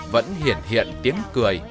vẫn hiện hiện tiếng cười